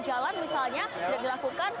jalan misalnya tidak dilakukan